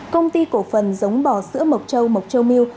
công ty cổ phần giống bò sữa mộc châu mộc châu milk